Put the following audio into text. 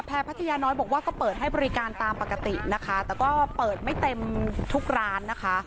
พัทยาน้อยบอกว่าก็เปิดให้บริการตามปกตินะคะแต่ก็เปิดไม่เต็มทุกร้านนะคะ